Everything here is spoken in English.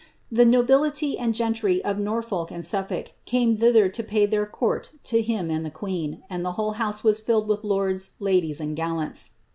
The nobility and gentr} of Norfolk and Suffolk came thither to pay their court to hiin and the queen, and the whole house was filled with lords, ladies, and gallants.